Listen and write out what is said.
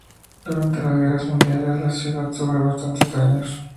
Durante las guerras mundiales, la ciudad sufre bastantes daños.